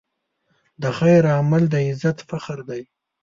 د خیر عمل د عزت فخر دی.